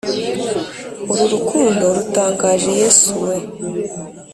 uru rukundo rutangaje, yesu we